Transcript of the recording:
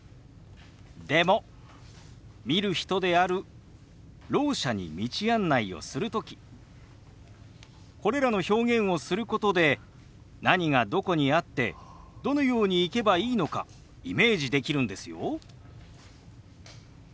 でも見る人であるろう者に道案内をする時これらの表現をすることで何がどこにあってどのように行けばいいのかイメージできるんですよ。